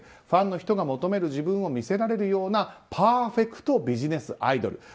ファンの人が求める自分を見せられるようなパーフェクト・ビジネス・アイドル。